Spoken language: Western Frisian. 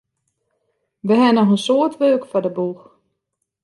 Wy hawwe noch in soad wurk foar de boech.